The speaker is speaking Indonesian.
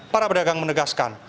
para pedagang menegaskan